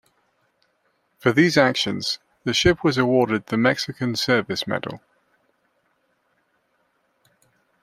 For these actions, the ship was awarded the Mexican Service Medal.